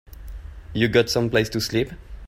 You got someplace to sleep?